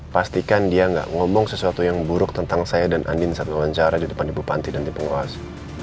pastikan dia gak ngomong sesuatu yang buruk tentang saya dan andin saat wawancara di depan ibu panti dan tim penguasa